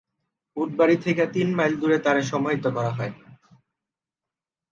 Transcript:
Woodbury থেকে তিন mile দূরে তাকে সমাহিত করা হয়।